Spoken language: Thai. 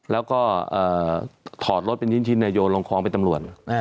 แล้วก็ถอดรถเป็นชิ้นโยนลงคลองเป็นตำรวจ